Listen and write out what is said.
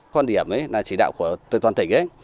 con điểm là chỉ đạo của tầng toàn tỉnh